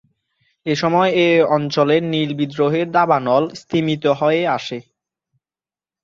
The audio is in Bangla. এসময় এ অঞ্চলে নীল বিদ্রোহের দাবানল স্তিমিত হয়ে আসে।